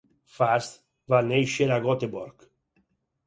Fasth va néixer a Goteborg.